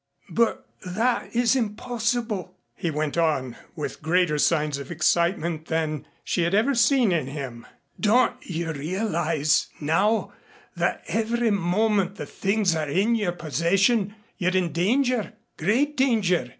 "But that is impossible," he went on, with greater signs of excitement than she had ever seen in him. "Don't you realize now that every moment the things are in your possession you're in danger great danger?